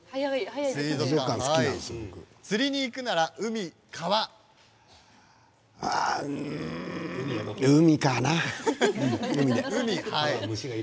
釣りに行くなら海かな。